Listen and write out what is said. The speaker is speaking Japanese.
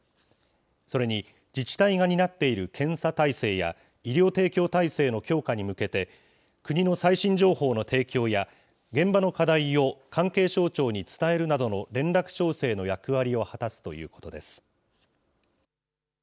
それに自治体が担っている検査体制や医療提供体制の強化に向けて、国の最新情報の提供や現場の課題を、関係省庁に伝えるなどの連絡調整の役割を果たすということです。